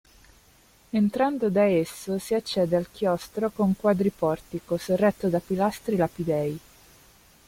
Entrando da esso si accede al chiostro con quadriportico sorretto da pilastri lapidei.